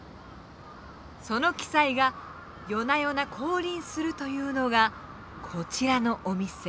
その鬼才が夜な夜な降臨するというのがこちらのお店。